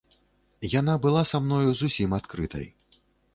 Яна была са мною зусім адкрытай.